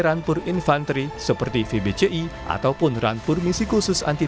beberapa dari mereka dilanjutkan di sini di nextair